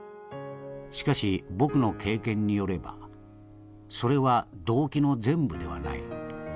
しかし僕の経験によればそれは動機の全部ではない。